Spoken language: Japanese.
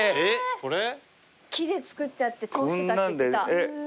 木で作ってあって通してたって言ってた。